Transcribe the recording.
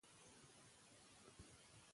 اسلام د پوهې د ودې لارښوونه کوي.